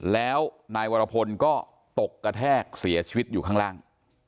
แล้วนายวรพลก็ตกกระแทกเสียชีวิตอยู่ข้างล่าง